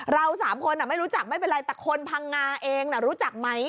เราสามคนไม่รู้จักไม่เป็นไรแต่คนพังงาเองรู้จักไหม